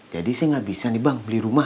jadi sih gak bisa nih bang beli rumah